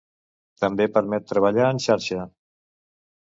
També permet treballar en xarxa.